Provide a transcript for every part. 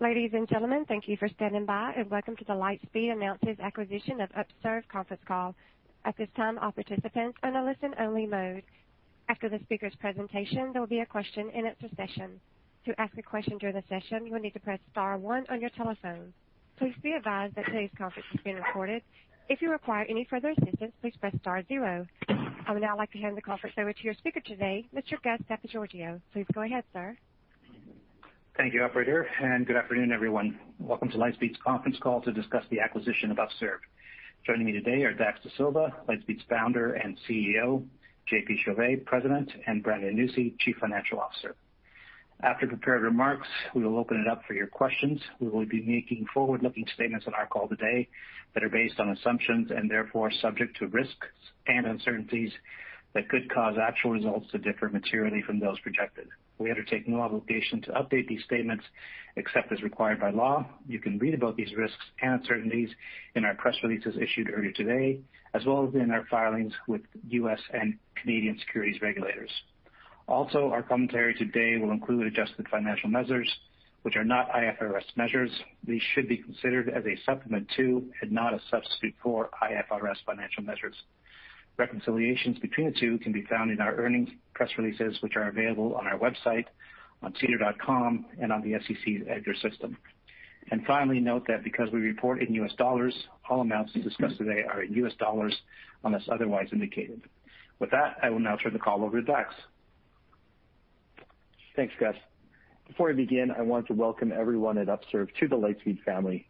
I would now like to hand the conference over to your speaker today, Mr. Gus Papageorgiou. Please go ahead, sir. Thank you, operator. Good afternoon, everyone. Welcome to Lightspeed's conference call to discuss the acquisition of Upserve. Joining me today are Dax Dasilva, Lightspeed's Founder and CEO, J.P. Chauvet, President, and Brandon Nussey, Chief Financial Officer. After prepared remarks, we will open it up for your questions. We will be making forward-looking statements on our call today that are based on assumptions and therefore subject to risks and uncertainties that could cause actual results to differ materially from those projected. We undertake no obligation to update these statements except as required by law. You can read about these risks and uncertainties in our press releases issued earlier today, as well as in our filings with U.S. and Canadian securities regulators. Our commentary today will include adjusted financial measures which are not IFRS measures. These should be considered as a supplement to and not a substitute for IFRS financial measures. Reconciliations between the two can be found in our earnings press releases, which are available on our website, on sedar.com and on the SEC's EDGAR system. Finally, note that because we report in U.S. dollars, all amounts discussed today are in U.S. Dollars unless otherwise indicated. With that, I will now turn the call over to Dax. Thanks, Gus. Before I begin, I want to welcome everyone at Upserve to the Lightspeed family.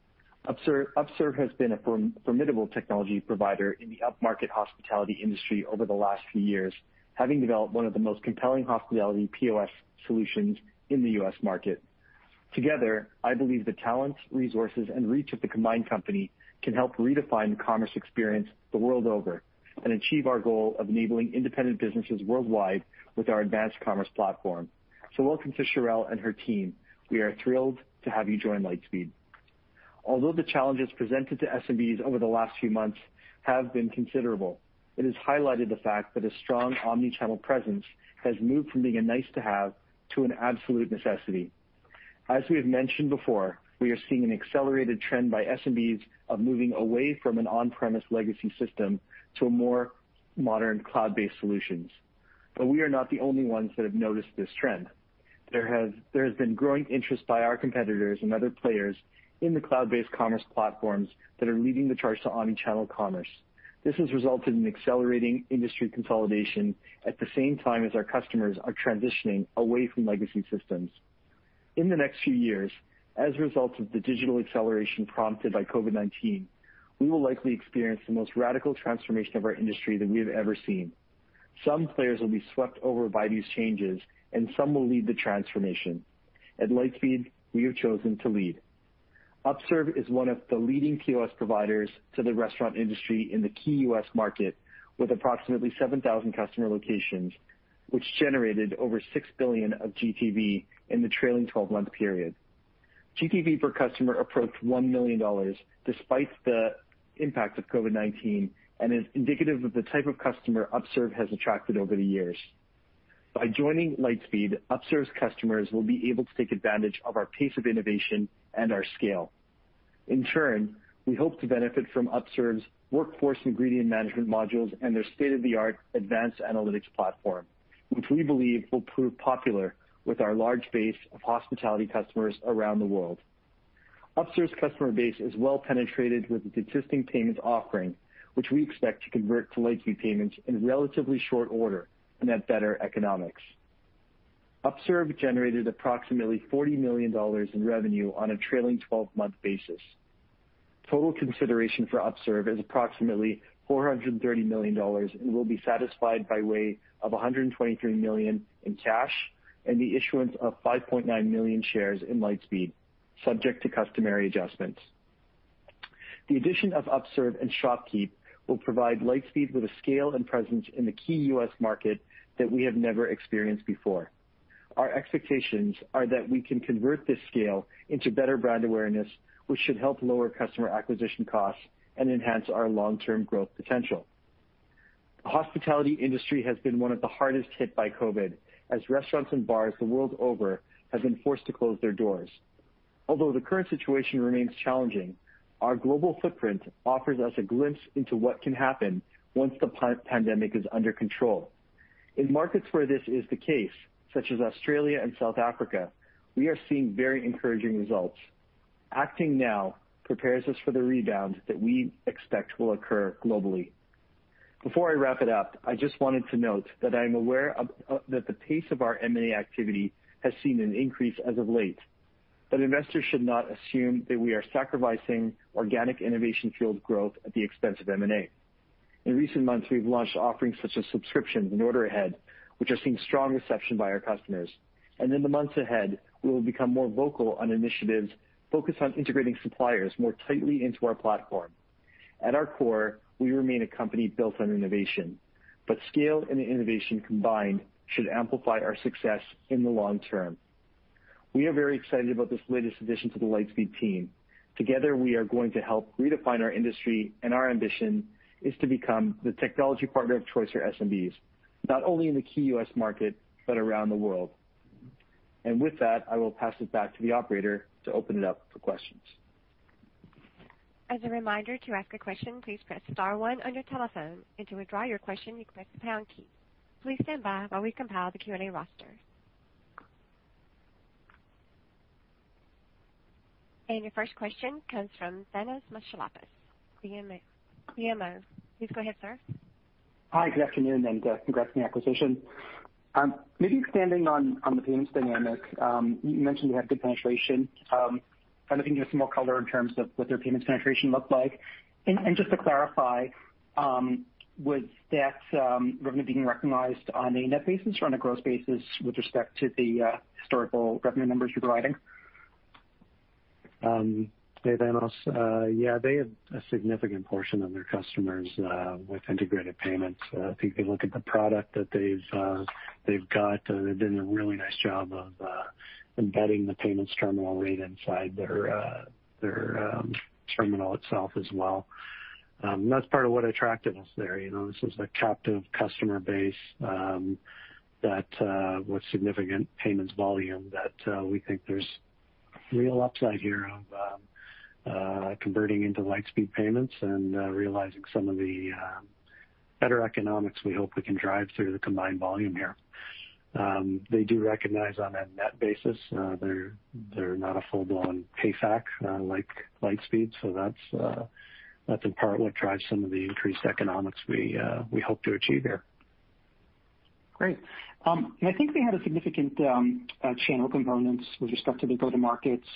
Upserve has been a formidable technology provider in the upmarket hospitality industry over the last few years, having developed one of the most compelling hospitality POS solutions in the U.S. market. Together, I believe the talents, resources, and reach of the combined company can help redefine the commerce experience the world over and achieve our goal of enabling independent businesses worldwide with our advanced commerce platform. Welcome to Sheryl and her team. We are thrilled to have you join Lightspeed. Although the challenges presented to SMBs over the last few months have been considerable, it has highlighted the fact that a strong omnichannel presence has moved from being a nice-to-have to an absolute necessity. As we have mentioned before, we are seeing an accelerated trend by SMBs of moving away from an on-premise legacy system to a more modern cloud-based solutions. We are not the only ones that have noticed this trend. There has been growing interest by our competitors and other players in the cloud-based commerce platforms that are leading the charge to omnichannel commerce. This has resulted in accelerating industry consolidation at the same time as our customers are transitioning away from legacy systems. In the next few years, as a result of the digital acceleration prompted by COVID-19, we will likely experience the most radical transformation of our industry that we have ever seen. Some players will be swept over by these changes, and some will lead the transformation. At Lightspeed, we have chosen to lead. Upserve is one of the leading POS providers to the restaurant industry in the key U.S. market, with approximately 7,000 customer locations, which generated over $6 billion of GTV in the trailing 12-month period. GTV per customer approached $1 million despite the impact of COVID-19 and is indicative of the type of customer Upserve has attracted over the years. By joining Lightspeed, Upserve's customers will be able to take advantage of our pace of innovation and our scale. In turn, we hope to benefit from Upserve's workforce ingredient management modules and their state-of-the-art advanced analytics platform, which we believe will prove popular with our large base of hospitality customers around the world. Upserve's customer base is well penetrated with its existing payments offering, which we expect to convert to Lightspeed Payments in relatively short order and at better economics. Upserve generated approximately $40 million in revenue on a trailing 12-month basis. Total consideration for Upserve is approximately $430 million and will be satisfied by way of $123 million in cash and the issuance of 5.9 million shares in Lightspeed, subject to customary adjustments. The addition of Upserve and ShopKeep will provide Lightspeed with a scale and presence in the key U.S. market that we have never experienced before. Our expectations are that we can convert this scale into better brand awareness, which should help lower customer acquisition costs and enhance our long-term growth potential. The hospitality industry has been one of the hardest hit by COVID-19, as restaurants and bars the world over have been forced to close their doors. Although the current situation remains challenging, our global footprint offers us a glimpse into what can happen once the pandemic is under control. In markets where this is the case, such as Australia and South Africa, we are seeing very encouraging results. Acting now prepares us for the rebound that we expect will occur globally. Before I wrap it up, I just wanted to note that I am aware that the pace of our M&A activity has seen an increase as of late, but investors should not assume that we are sacrificing organic innovation-fueled growth at the expense of M&A. In recent months, we've launched offerings such as subscriptions and order ahead, which are seeing strong reception by our customers. In the months ahead, we will become more vocal on initiatives focused on integrating suppliers more tightly into our platform. At our core, we remain a company built on innovation, but scale and innovation combined should amplify our success in the long term. We are very excited about this latest addition to the Lightspeed team. Together, we are going to help redefine our industry. Our ambition is to become the technology partner of choice for SMBs. Not only in the key U.S. market but around the world. With that, I will pass it back to the operator to open it up for questions. Your first question comes from Thanos Moschopoulos, BMO. Please go ahead, sir. Hi, good afternoon and congrats on the acquisition. Maybe expanding on the payments dynamic, you mentioned you have good penetration. I'm looking for some more color in terms of what their payments penetration looks like. Just to clarify, was that revenue being recognized on a net basis or on a gross basis with respect to the historical revenue numbers you're providing? Hey, Thanos. Yeah, they have a significant portion of their customers with integrated payments. I think if you look at the product that they've got, they've done a really nice job of embedding the payments terminal right inside their terminal itself as well. That's part of what attracted us there. This is a captive customer base with significant payments volume that we think there's real upside here of converting into Lightspeed Payments and realizing some of the better economics we hope we can drive through the combined volume here. They do recognize on a net basis, they're not a full-blown PayFac like Lightspeed, so that's in part what drives some of the increased economics we hope to achieve here. Great. I think they had significant channel components with respect to the go-to-markets.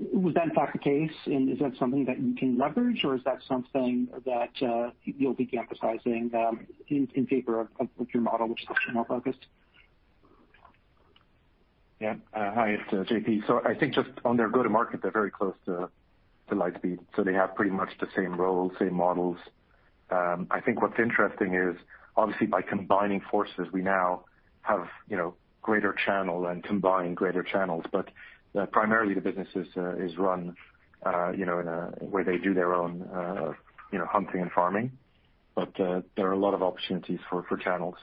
Was that in fact the case, and is that something that you can leverage, or is that something that you'll be de-emphasizing in favor of your model, which is more focused? Yeah. Hi, it's JP. I think just on their go-to-market, they're very close to Lightspeed, so they have pretty much the same role, same models. I think what's interesting is obviously by combining forces, we now have greater channel and combined greater channels. Primarily the business is run where they do their own hunting and farming. There are a lot of opportunities for channels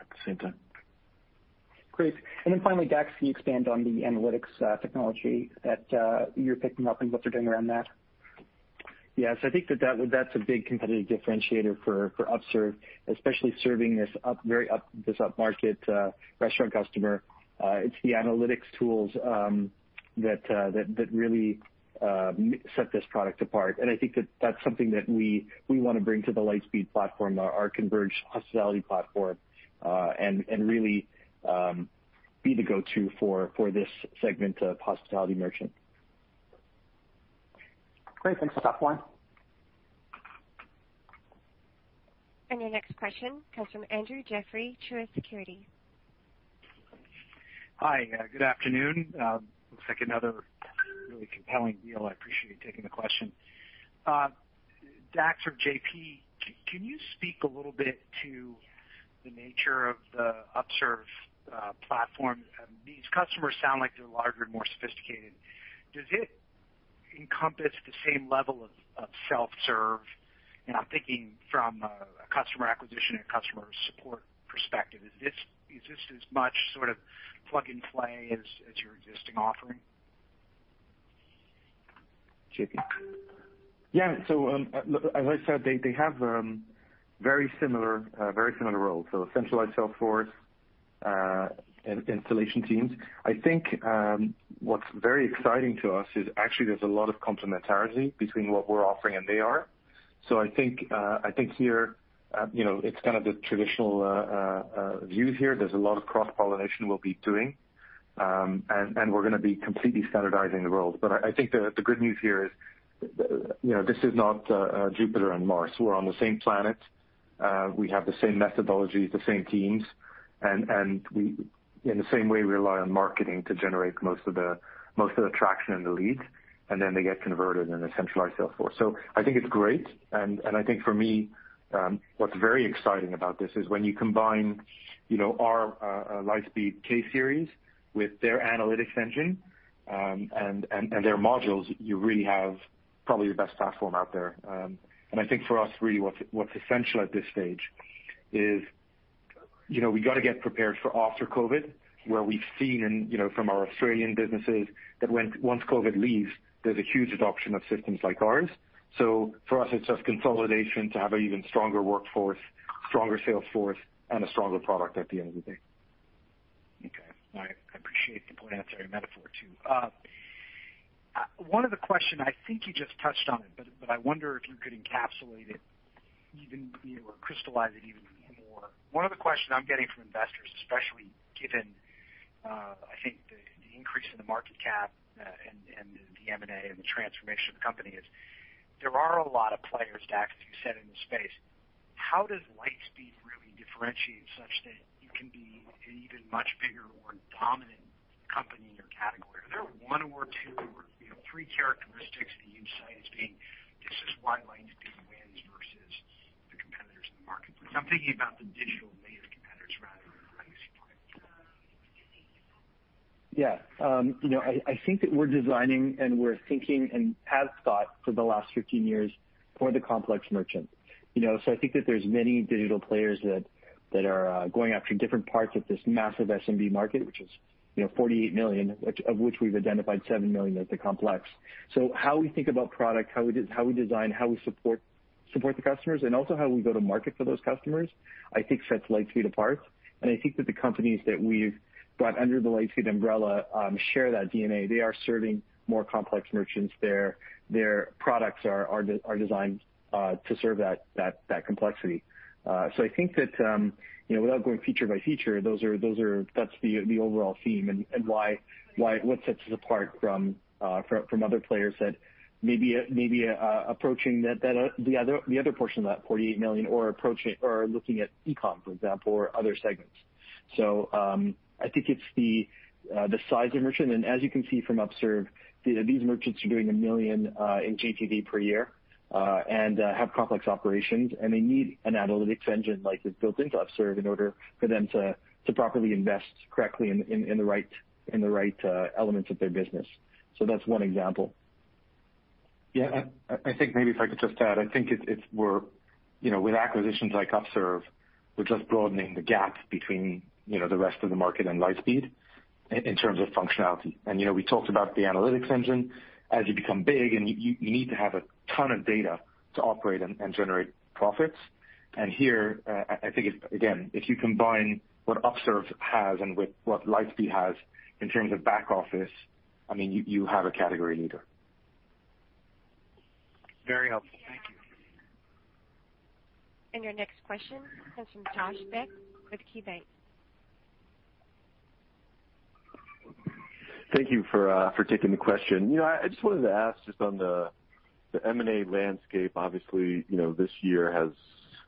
at the same time. Great. Then finally, Dax, can you expand on the analytics technology that you're picking up and what they're doing around that? Yes, I think that that's a big competitive differentiator for Upserve, especially serving this upmarket restaurant customer. It's the analytics tools that really set this product apart. I think that that's something that we want to bring to the Lightspeed platform, our converged hospitality platform, and really be the go-to for this segment of hospitality merchant. Great. Thanks. That's all for now. Your next question comes from Andrew Jeffrey, Truist Securities. Hi. Good afternoon. Looks like another really compelling deal. I appreciate you taking the question. Dax or J.P., can you speak a little bit to the nature of the Upserve platform? These customers sound like they're larger and more sophisticated. Does it encompass the same level of self-serve? I'm thinking from a customer acquisition and customer support perspective. Is this as much sort of plug and play as your existing offering? J.P. Yeah. As I said, they have very similar roles. Centralized salesforce and installation teams. I think what's very exciting to us is actually there's a lot of complementarity between what we're offering and they are. I think here, it's kind of the traditional view here. There's a lot of cross-pollination we'll be doing, and we're going to be completely standardizing the roles. I think the good news here is this is not Jupiter and Mars. We're on the same planet. We have the same methodologies, the same teams, and in the same way, we rely on marketing to generate most of the traction and the leads, and then they get converted in a centralized salesforce. I think it's great, and I think for me, what's very exciting about this is when you combine our Lightspeed K-Series with their analytics engine and their modules, you really have probably the best platform out there. I think for us, really what's essential at this stage is we got to get prepared for after COVID, where we've seen from our Australian businesses that once COVID leaves, there's a huge adoption of systems like ours. For us, it's just consolidation to have an even stronger workforce, stronger salesforce, and a stronger product at the end of the day. Okay. I appreciate the planetary metaphor too. One other question, I think you just touched on it, but I wonder if you could encapsulate it or crystallize it even more. One of the questions I'm getting from investors, especially given, I think, the increase in the market cap and the M&A and the transformation of the company is there are a lot of players, Dax, as you said, in the space. How does Lightspeed really differentiate such that you can be an even much bigger or dominant company in your category? Are there one or two or three characteristics that you'd cite as being this is why Lightspeed wins versus the competitors in the marketplace? I'm thinking about the digital Yeah. I think that we're designing and we're thinking, and have thought for the last 15 years, for the complex merchant. I think that there's many digital players that are going after different parts of this massive SMB market, which is 48 million, of which we've identified $7 million as the complex. How we think about product, how we design, how we support the customers, and also how we go to market for those customers, I think sets Lightspeed apart. I think that the companies that we've brought under the Lightspeed umbrella share that DNA. They are serving more complex merchants. Their products are designed to serve that complexity. I think that, without going feature by feature, that's the overall theme and what sets us apart from other players that may be approaching the other portion of that 48 million or are looking at eCom, for example, or other segments. I think it's the size of merchant, and as you can see from Upserve, these merchants are doing $1 million in GTV per year, and have complex operations, and they need an analytics engine like is built into Upserve in order for them to properly invest correctly in the right elements of their business. That's one example. I think maybe if I could just add, I think with acquisitions like Upserve, we're just broadening the gap between the rest of the market and Lightspeed in terms of functionality. We talked about the analytics engine. As you become big, you need to have a ton of data to operate and generate profits. Here, I think if, again, if you combine what Upserve has and what Lightspeed has in terms of back office, you have a category leader. Very helpful. Thank you. Your next question comes from Josh Beck with KeyBank. Thank you for taking the question. I just wanted to ask, just on the M&A landscape, obviously, this year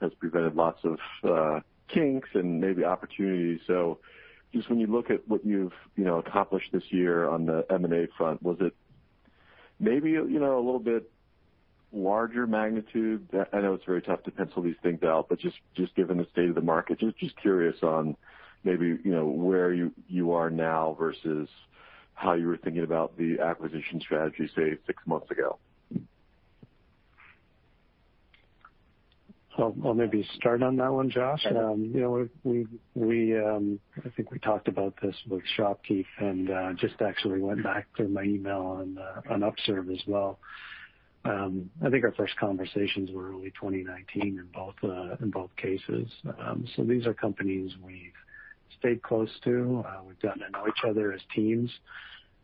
has presented lots of kinks and maybe opportunities. Just when you look at what you've accomplished this year on the M&A front, was it maybe a little bit larger magnitude? I know it's very tough to pencil these things out, but just given the state of the market, just curious on maybe where you are now versus how you were thinking about the acquisition strategy, say, six months ago. I'll maybe start on that one, Josh. Sure. I think we talked about this with ShopKeep and just actually went back through my email on Upserve as well. I think our first conversations were early 2019 in both cases. These are companies we've stayed close to. We've gotten to know each other as teams.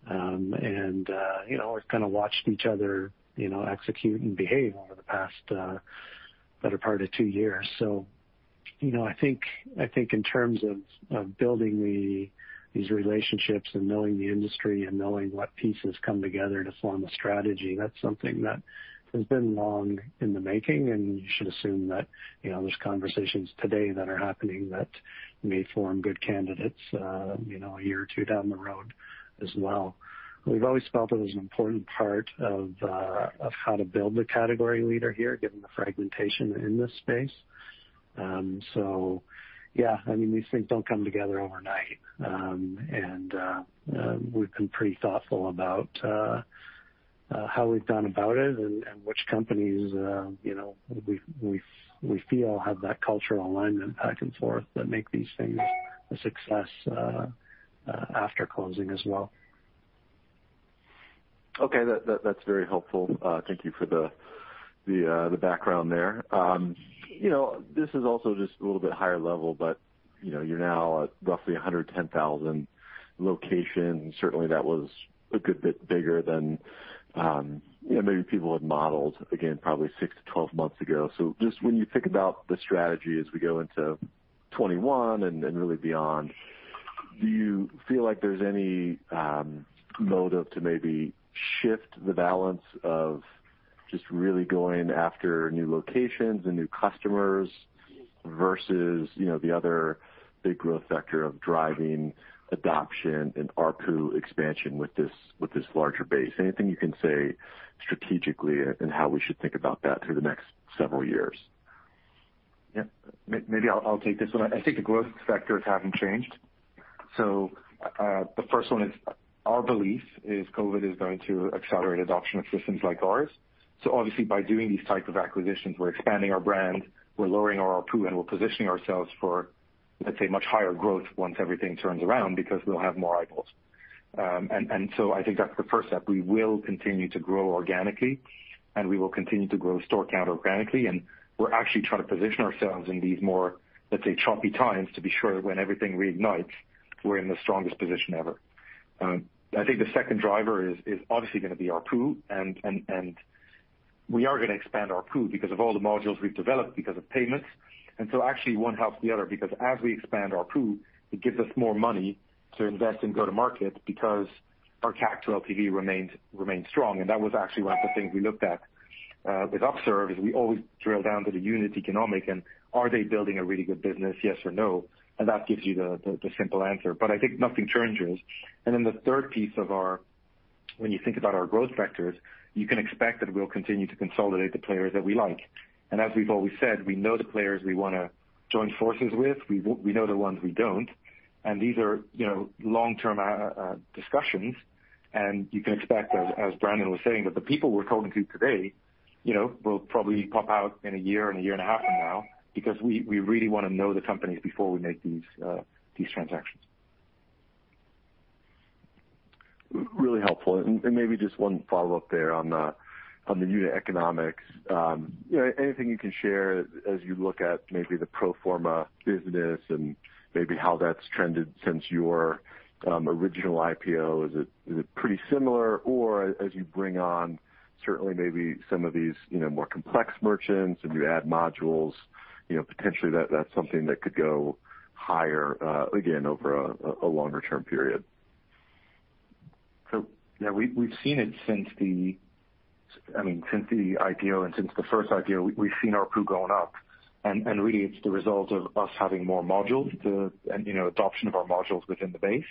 We've kind of watched each other execute and behave over the past better part of two years. I think in terms of building these relationships and knowing the industry and knowing what pieces come together to form a strategy, that's something that has been long in the making, and you should assume that there's conversations today that are happening that may form good candidates a year or two down the road as well. We've always felt it was an important part of how to build the category leader here, given the fragmentation in this space. Yeah, these things don't come together overnight. We've been pretty thoughtful about how we've gone about it and which companies we feel have that cultural alignment back and forth that make these things a success after closing as well. Okay. That's very helpful. Thank you for the background there. This is also just a little bit higher level, but you're now at roughly 110,000 locations. Certainly, that was a good bit bigger than maybe people had modeled, again, probably six to 12 months ago. Just when you think about the strategy as we go into 2021 and really beyond, do you feel like there's any motive to maybe shift the balance of just really going after new locations and new customers versus the other big growth factor of driving adoption and ARPU expansion with this larger base? Anything you can say strategically in how we should think about that through the next several years? Yeah. Maybe I'll take this one. I think the growth factors haven't changed. The first one is our belief is COVID is going to accelerate adoption of systems like ours. Obviously, by doing these types of acquisitions, we're expanding our brand, we're lowering our ARPU, and we're positioning ourselves for, let's say, much higher growth once everything turns around because we'll have more eyeballs. I think that's the first step. We will continue to grow organically, and we will continue to grow store count organically, and we're actually trying to position ourselves in these more, let's say, choppy times to be sure that when everything reignites, we're in the strongest position ever. I think the second driver is obviously going to be ARPU, and we are going to expand ARPU because of all the modules we've developed because of payments. Actually one helps the other, because as we expand ARPU, it gives us more money to invest in go-to-market because our CAC to LTV remains strong. That was actually one of the things we looked at with Upserve, is we always drill down to the unit economics, and are they building a really good business, yes or no, and that gives you the simple answer. I think nothing changes. The third piece of our When you think about our growth vectors, you can expect that we'll continue to consolidate the players that we like. As we've always said, we know the players we want to join forces with. We know the ones we don't. These are long-term discussions, and you can expect, as Brandon was saying, that the people we're talking to today will probably pop out in a year and a year and a half from now, because we really want to know the companies before we make these transactions. Really helpful. Maybe just one follow-up there on the unit economics. Anything you can share as you look at maybe the pro forma business and maybe how that's trended since your original IPO? Is it pretty similar? As you bring on certainly maybe some of these more complex merchants and you add modules, potentially that's something that could go higher again over a longer term period. Yeah, we've seen it since the IPO and since the first IPO, we've seen ARPU going up. Really it's the result of us having more modules, the adoption of our modules within the base,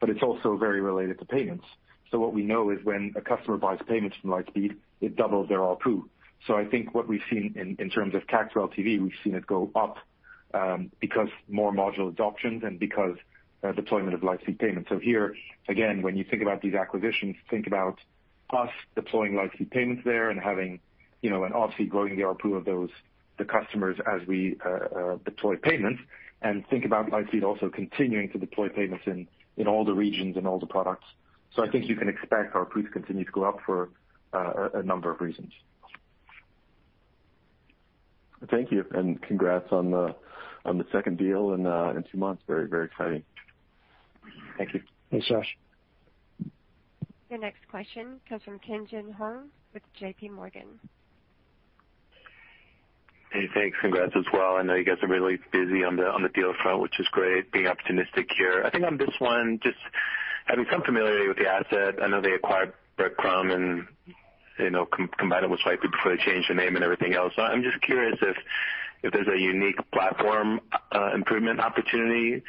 but it's also very related to payments. What we know is when a customer buys payments from Lightspeed, it doubles their ARPU. I think what we've seen in terms of CAC to LTV, we've seen it go up because more module adoptions and because deployment of Lightspeed Payments. Here, again, when you think about these acquisitions, think about us deploying Lightspeed Payments there and obviously growing the ARPU of the customers as we deploy payments. Think about Lightspeed also continuing to deploy payments in all the regions and all the products. I think you can expect ARPU to continue to go up for a number of reasons. Thank you, and congrats on the second deal in two months. Very exciting. Thank you. Thanks, Josh. Your next question comes from Tien-Tsin Huang with JP Morgan. Hey, thanks. Congrats as well. I know you guys are really busy on the deals front, which is great, being optimistic here. I think on this one, just having some familiarity with the asset, I know they acquired Breadcrumb and combined it with Lightspeed before they changed their name and everything else. I'm just curious if there's a unique platform improvement opportunity here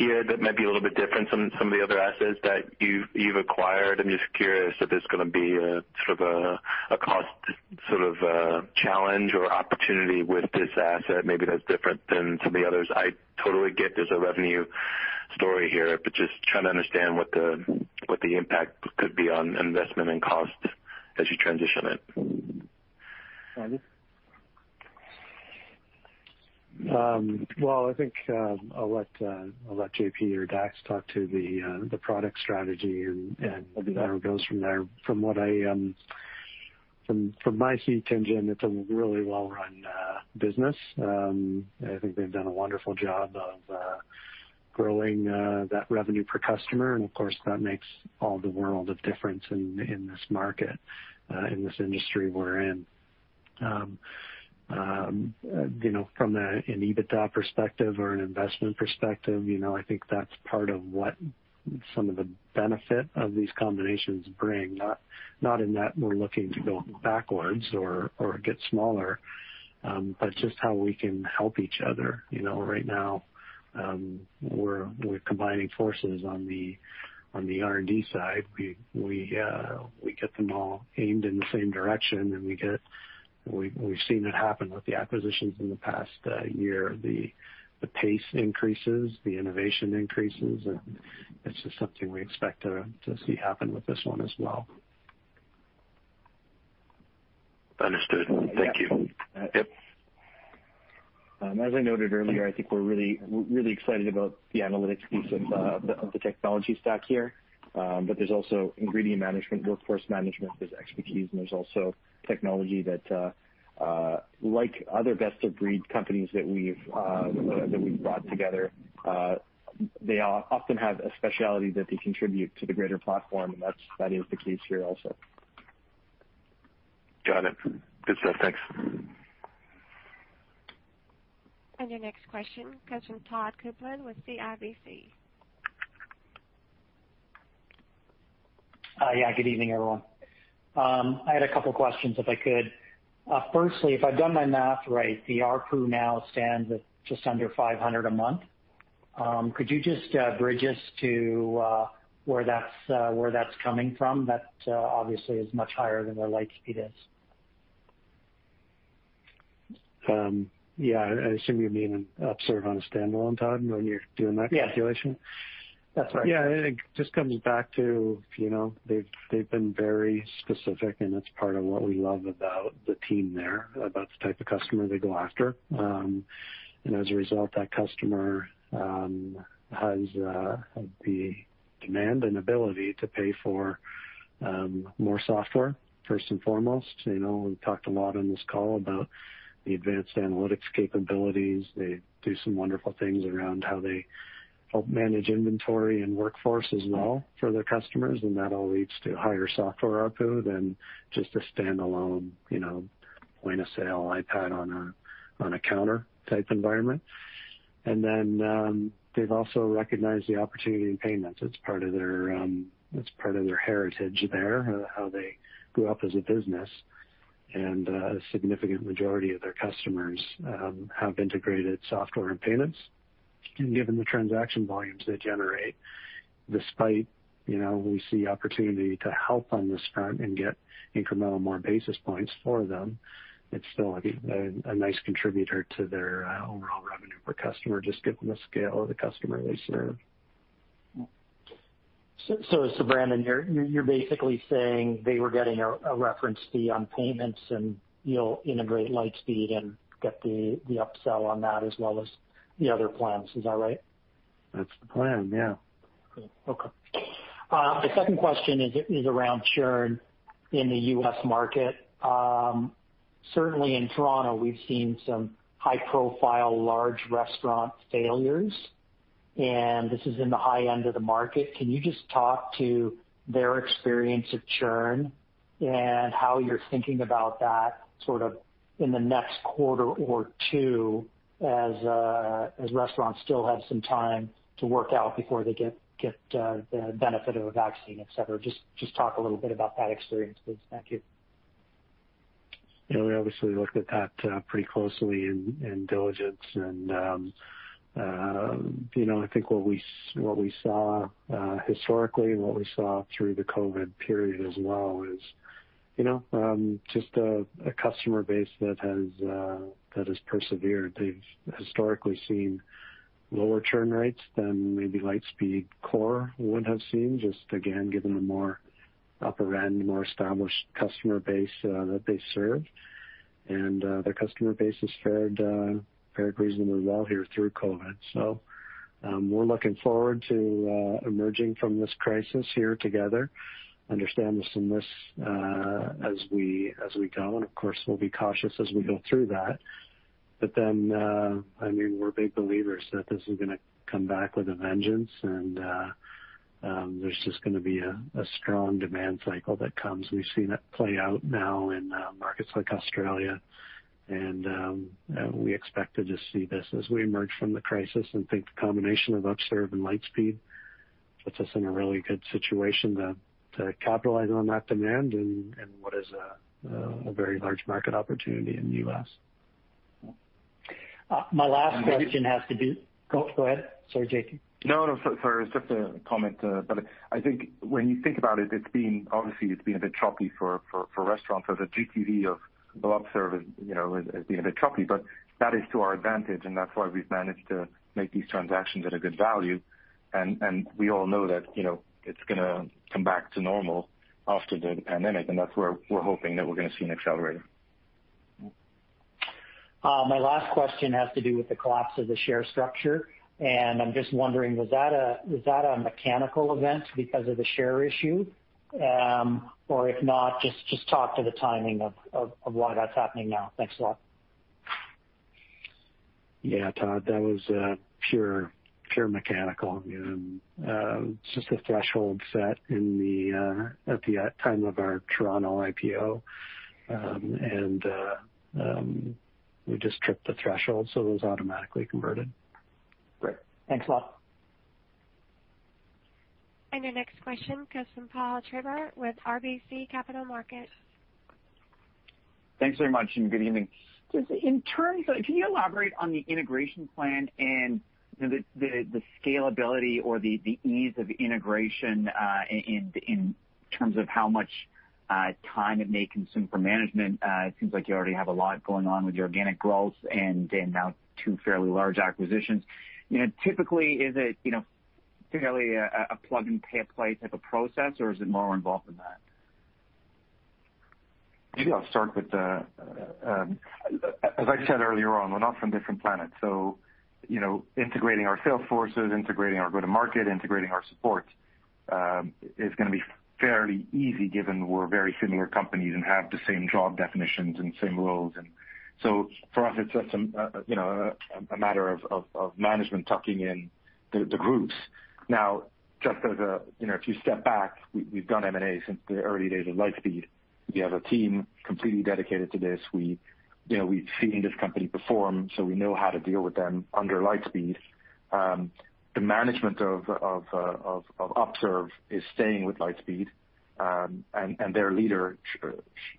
that might be a little bit different from some of the other assets that you've acquired. I'm just curious if there's going to be a cost challenge or opportunity with this asset maybe that's different than some of the others. I totally get there's a revenue story here, but just trying to understand what the impact could be on investment and cost as you transition it. Brandon? Well, I think I'll let JP or Dax talk to the product strategy and whatever goes from there. From my seat, Tien-Tsin, it's a really well-run business. I think they've done a wonderful job of growing that revenue per customer, and of course, that makes all the world of difference in this market, in this industry we're in. From an EBITDA perspective or an investment perspective, I think that's part of what some of the benefit of these combinations bring. Not in that we're looking to go backwards or get smaller, but just how we can help each other. Right now, we're combining forces on the R&D side. We get them all aimed in the same direction, and we've seen it happen with the acquisitions in the past year. The pace increases, the innovation increases, and it's just something we expect to see happen with this one as well. Understood. Thank you. Yep. As I noted earlier, I think we're really excited about the analytics piece of the technology stack here. There's also ingredient management, workforce management, there's expertise, and there's also technology that, like other best-of-breed companies that we've brought together, they often have a specialty that they contribute to the greater platform, and that is the case here also. Got it. Good stuff. Thanks. Your next question comes from Todd Coupland with CIBC. Yeah, good evening, everyone. I had a couple questions, if I could. Firstly, if I've done my math right, the ARPU now stands at just under $500 a month. Could you just bridge us to where that's coming from? That obviously is much higher than what Lightspeed is. Yeah, I assume you mean Upserve on a standalone, Todd, when you're doing that calculation? Yeah. That's right. It just comes back to they've been very specific, and it's part of what we love about the team there, about the type of customer they go after. As a result, that customer has the demand and ability to pay for more software, first and foremost. We've talked a lot on this call about the advanced analytics capabilities. They do some wonderful things around how they help manage inventory and workforce as well for their customers, and that all leads to higher software ARPU than just a standalone point-of-sale iPad on a counter type environment. Then they've also recognized the opportunity in payments. It's part of their heritage there, how they grew up as a business. A significant majority of their customers have integrated software and payments. Given the transaction volumes they generate, despite we see opportunity to help on this front and get incremental more basis points for them, it's still a nice contributor to their overall revenue per customer, just given the scale of the customer they serve. Brandon, you're basically saying they were getting a reference fee on payments, and you'll integrate Lightspeed and get the upsell on that as well as the other plans. Is that right? That's the plan, yeah. Cool. Okay. The second question is around churn in the U.S. market. Certainly in Toronto, we've seen some high-profile, large restaurant failures, and this is in the high end of the market. Can you just talk to their experience of churn and how you're thinking about that sort of in the next quarter or two, as restaurants still have some time to work out before they get the benefit of a vaccine, et cetera? Just talk a little bit about that experience, please. Thank you. We obviously looked at that pretty closely in diligence and I think what we saw historically and what we saw through the COVID period as well is just a customer base that has persevered. They've historically seen lower churn rates than maybe Lightspeed core would have seen, just again, given the more upper end, more established customer base that they serve. Their customer base has fared reasonably well here through COVID. We're looking forward to emerging from this crisis here together, understand the seamless as we go, and of course, we'll be cautious as we go through that. We're big believers that this is going to come back with a vengeance, and there's just going to be a strong demand cycle that comes. We've seen it play out now in markets like Australia, and we expect to just see this as we emerge from the crisis and think the combination of Upserve and Lightspeed puts us in a really good situation to capitalize on that demand in what is a very large market opportunity in the U.S. Go ahead. Sorry, JP. No, sorry. It's just a comment. I think when you think about it, obviously it's been a bit choppy for restaurants or the GTV of Upserve has been a bit choppy, but that is to our advantage, and that's why we've managed to make these transactions at a good value. We all know that it's going to come back to normal after the pandemic, and that's where we're hoping that we're going to see an accelerator. My last question has to do with the collapse of the share structure, I'm just wondering, was that a mechanical event because of the share issue? If not, just talk to the timing of why that's happening now. Thanks a lot. Todd, that was pure mechanical. It's just a threshold set at the time of our Toronto IPO, and we just tripped the threshold, so it was automatically converted. Great. Thanks a lot. Your next question comes from Paul Treiber with RBC Capital Markets. Thanks very much, and good evening. Just in terms of, can you elaborate on the integration plan and the scalability or the ease of integration in terms of how much time it may consume for management? It seems like you already have a lot going on with your organic growth and now two fairly large acquisitions. Typically, is it fairly a plug-and-play type of process, or is it more involved than that? Maybe I'll start. As I said earlier on, we're not from different planets, so integrating our sales forces, integrating our go-to-market, integrating our support is going to be fairly easy given we're very similar companies and have the same job definitions and same roles. So for us, it's just a matter of management tucking in the groups. Now, just as a few step back, we've done M&A since the early days of Lightspeed. We have a team completely dedicated to this. We've seen this company perform, so we know how to deal with them under Lightspeed. The management of Upserve is staying with Lightspeed, and their leader,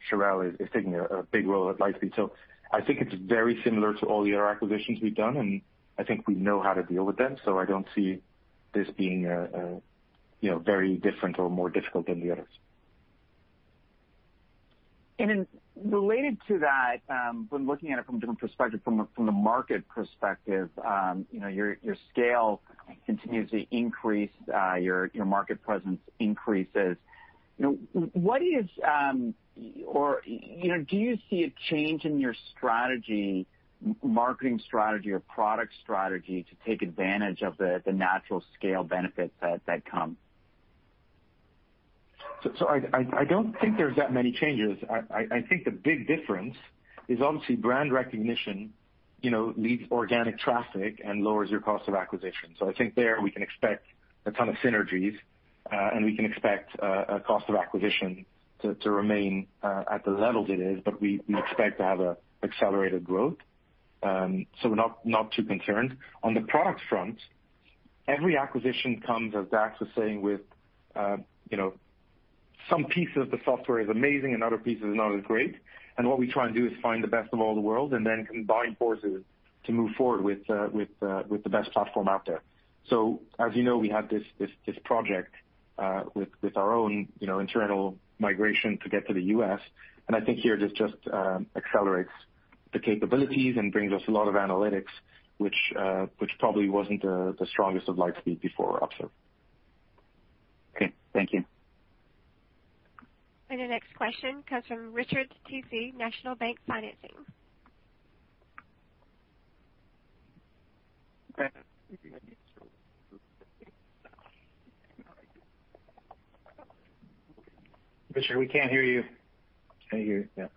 Sheryl, is taking a big role at Lightspeed. I think it's very similar to all the other acquisitions we've done, and I think we know how to deal with them, so I don't see this being very different or more difficult than the others. Related to that, when looking at it from a different perspective, from the market perspective, your scale continues to increase, your market presence increases. Do you see a change in your marketing strategy or product strategy to take advantage of the natural scale benefits that come? I don't think there's that many changes. I think the big difference is obviously brand recognition leads organic traffic and lowers your cost of acquisition. I think there we can expect a ton of synergies, and we can expect a cost of acquisition to remain at the level it is. We expect to have accelerated growth. We're not too concerned. Every acquisition comes, as Dax was saying, with some pieces of the software is amazing and other pieces are not as great. What we try and do is find the best of all the world and then combine forces to move forward with the best platform out there. As you know, we had this project with our own internal migration to get to the U.S., I think here this just accelerates the capabilities and brings us a lot of analytics, which probably wasn't the strongest of Lightspeed before Upserve. Okay. Thank you. The next question comes from Richard Tse, National Bank Financial. Richard, we can't hear you. Can't hear you, yeah.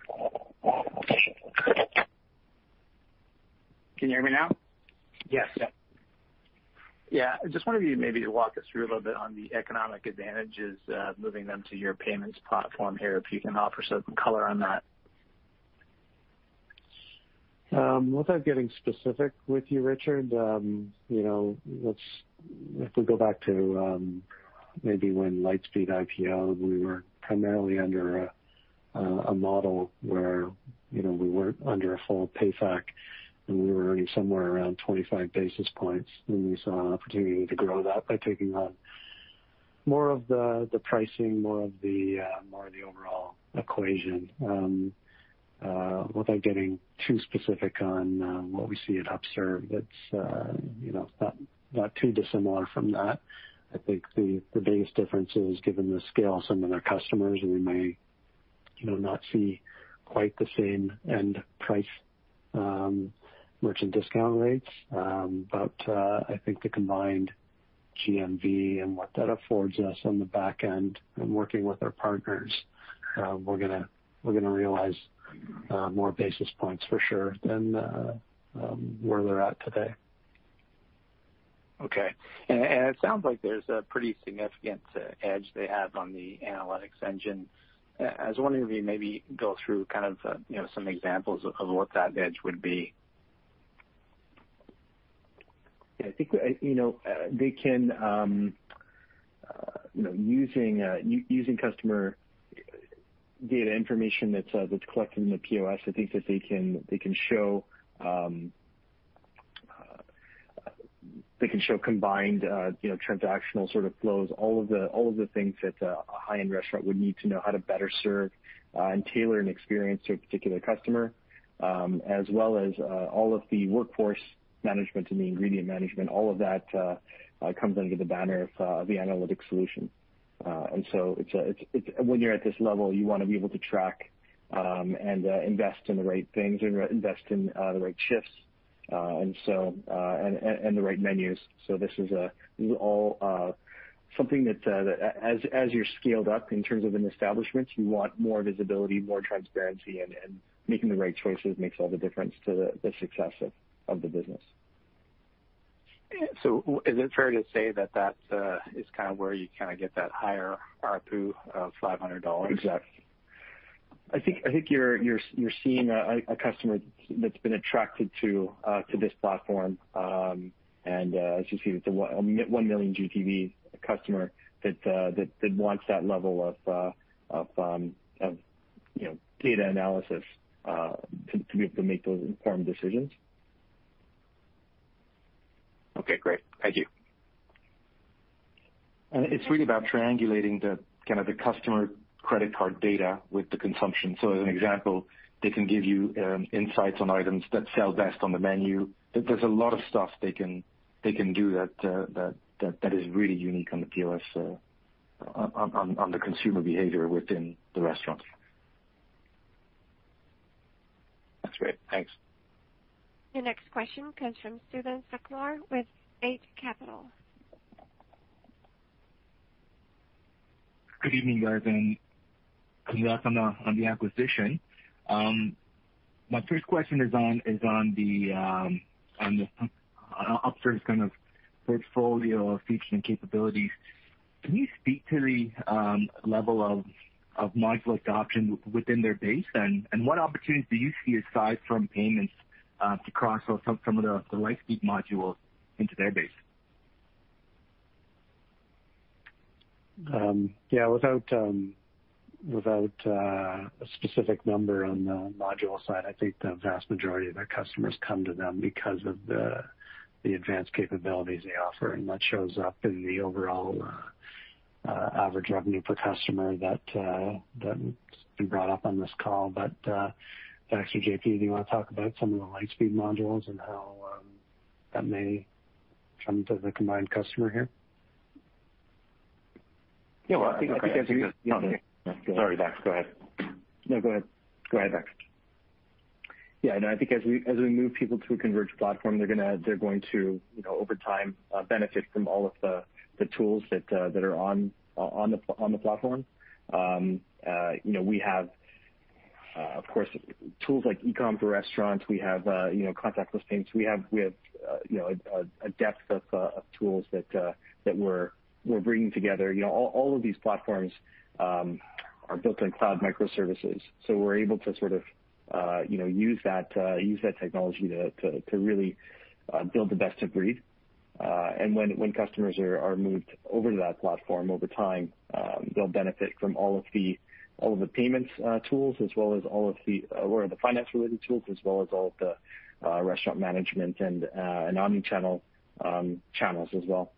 Can you hear me now? Yes. Yeah. Yeah. I just wondered if you maybe could walk us through a little bit on the economic advantages of moving them to your payments platform here, if you can offer some color on that? Without getting specific with you, Richard, if we go back to maybe when Lightspeed IPO'd, we were primarily under a model where we weren't under a full PayFac, and we were earning somewhere around 25 basis points, and we saw an opportunity to grow that by taking on more of the pricing, more of the overall equation. Without getting too specific on what we see at Upserve, it's not too dissimilar from that. I think the biggest difference is, given the scale of some of their customers, we may not see quite the same end price merchant discount rates. I think the combined GMV and what that affords us on the back end in working with our partners, we're going to realize more basis points for sure than where they're at today. Okay. It sounds like there's a pretty significant edge they have on the analytics engine. I was wondering if you maybe could go through some examples of what that edge would be? I think using customer data information that's collected in the POS, I think that they can show combined transactional sort of flows, all of the things that a high-end restaurant would need to know how to better serve and tailor an experience to a particular customer, as well as all of the workforce management and the ingredient management. All of that comes under the banner of the analytics solution. When you're at this level, you want to be able to track and invest in the right things and invest in the right shifts and the right menus. This is all something that as you're scaled up in terms of an establishment, you want more visibility, more transparency, and making the right choices makes all the difference to the success of the business. Is it fair to say that is kind of where you get that higher ARPU of $500? Exactly. I think you're seeing a customer that's been attracted to this platform. As you see, it's a $1 million GTV customer that wants that level of data analysis to be able to make those informed decisions. Okay, great. Thank you. It's really about triangulating the customer credit card data with the consumption. As an example, they can give you insights on items that sell best on the menu. There's a lot of stuff they can do that is really unique on the POS on the consumer behavior within the restaurant. That's great. Thanks. Your next question comes from Suthan Sukumar with Eight Capital. Good evening, guys, and congrats on the acquisition. My first question is on Upserve's kind of portfolio of features and capabilities. Can you speak to the level of module adoption within their base, and what opportunities do you see aside from payments to cross some of the Lightspeed modules into their base? Yeah, without a specific number on the module side, I think the vast majority of their customers come to them because of the advanced capabilities they offer, and that shows up in the overall average revenue per customer that's been brought up on this call. Actually, J.P., do you want to talk about some of the Lightspeed modules and how that may come to the combined customer here? Yeah, well, I think. Sorry, Dax. Go ahead. No, go ahead. Go ahead, Dax. Yeah, no, I think as we move people to a converged platform, they're going to, over time, benefit from all of the tools that are on the platform. We have, of course, tools like eCom for restaurants. We have contactless payments. We have a depth of tools that we're bringing together. All of these platforms are built on cloud microservices. We're able to use that technology to really build the best of breed. When customers are moved over to that platform, over time, they'll benefit from all of the payments tools as well as all of the finance-related tools, as well as all of the restaurant management and omnichannel channels as well.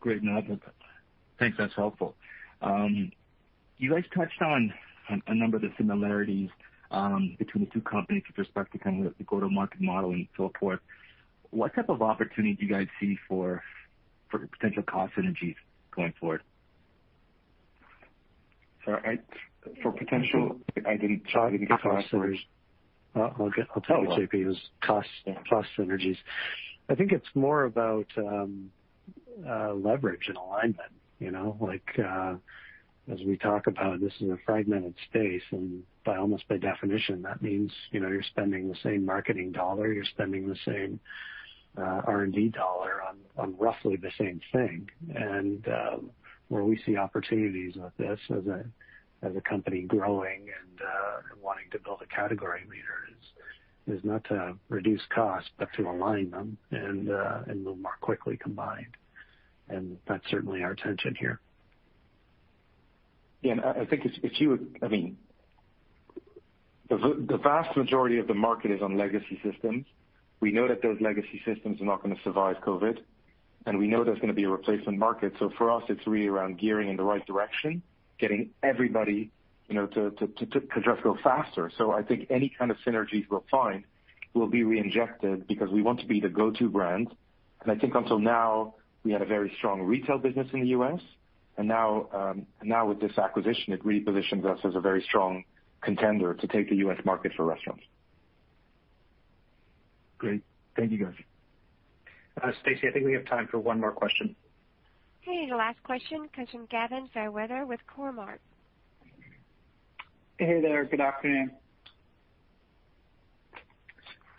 Great. I think that's helpful. You guys touched on a number of the similarities between the two companies with respect to kind of the go-to-market model and so forth. What type of opportunity do you guys see for potential cost synergies going forward? Sorry, for potential? I didn't catch that last part. I'll tell you, J.P. It was cost synergies. I think it's more about leverage and alignment. Like, as we talk about, this is a fragmented space, and almost by definition, that means you're spending the same marketing dollar, you're spending the same R&D dollar on roughly the same thing. Where we see opportunities with this as a company growing and wanting to build a category leader is not to reduce cost, but to align them and move more quickly combined. That's certainly our intention here. Yeah, I think the vast majority of the market is on legacy systems. We know that those legacy systems are not going to survive COVID-19. We know there's going to be a replacement market. For us, it's really around gearing in the right direction, getting everybody to just go faster. I think any kind of synergies we'll find will be reinjected because we want to be the go-to brand. I think until now, we had a very strong retail business in the U.S., and now with this acquisition, it repositions us as a very strong contender to take the U.S. market for restaurants. Great. Thank you, guys. Stacy, I think we have time for one more question. Okay, the last question comes from Gavin Fairweather with Cormark. Hey there. Good afternoon.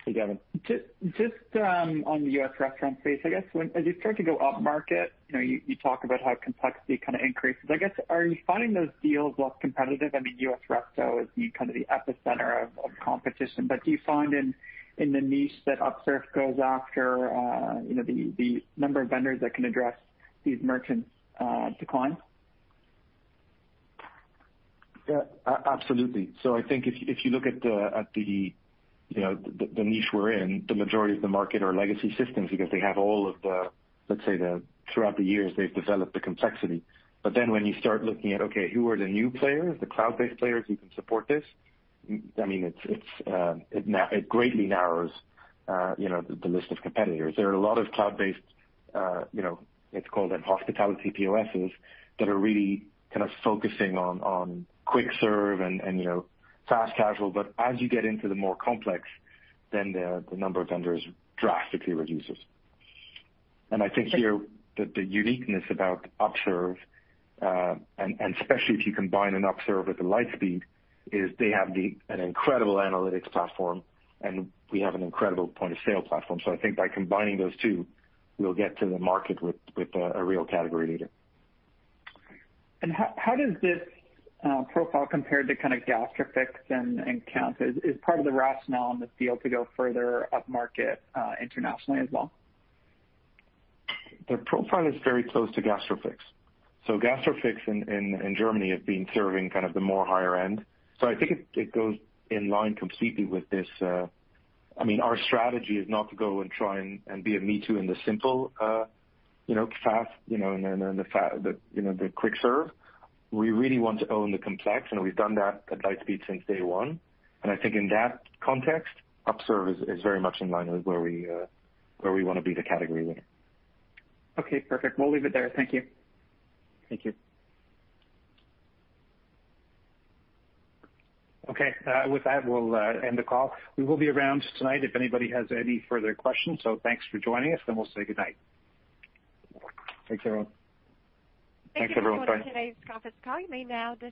Hey, Gavin. Just on the U.S. restaurant space, I guess, as you start to go up market, you talk about how complexity kind of increases. I guess, are you finding those deals less competitive? I mean, U.S. resto is the kind of the epicenter of competition. Do you find in the niche that Upserve goes after, the number of vendors that can address these merchants decline? Yeah. Absolutely. I think if you look at the niche we're in, the majority of the market are legacy systems because they have all of the, let's say, throughout the years, they've developed the complexity. When you start looking at, okay, who are the new players, the cloud-based players who can support this, it greatly narrows the list of competitors. There are a lot of cloud-based, let's call them hospitality POSs, that are really kind of focusing on quick serve and fast casual. As you get into the more complex, then the number of vendors drastically reduces. I think here that the uniqueness about Upserve, and especially if you combine an Upserve with a Lightspeed, is they have an incredible analytics platform, and we have an incredible point-of-sale platform. I think by combining those two, we'll get to the market with a real category leader. How does this profile compare to kind of Gastrofix and iKentoo? Is part of the rationale on this deal to go further up market internationally as well? The profile is very close to Gastrofix. Gastrofix in Germany have been serving kind of the more higher end. I think it goes in line completely with this. Our strategy is not to go and try and be a me too in the simple path, and the quick serve. We really want to own the complex, and we've done that at Lightspeed since day one. I think in that context, Upserve is very much in line with where we want to be the category leader. Okay, perfect. We'll leave it there. Thank you. Thank you. Okay, with that, we'll end the call. We will be around tonight if anybody has any further questions. Thanks for joining us, and we'll say good night. Thanks, everyone. Thanks, everyone. Thank you for joining today's conference call. You may now disconnect.